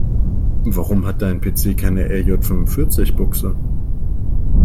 Warum hat dein PC keine RJ-fünfundvierzig-Buchse?